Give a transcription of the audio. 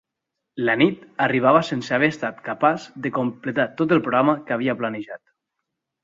La nit arribava sense haver estat capaç de completar tot el programa que havia planejat.